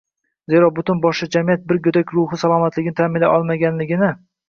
Zero butun boshli jamiyat bir go‘dak ruhi salomatligini ta’minlay olmaganini